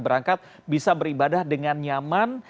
berangkat bisa beribadah dengan nyaman